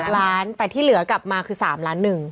ล้านแต่ที่เหลือกลับมาคือ๓ล้าน๑